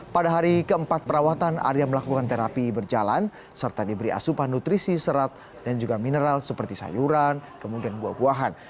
pada hari keempat perawatan arya melakukan terapi berjalan serta diberi asupan nutrisi serat dan juga mineral seperti sayuran kemudian buah buahan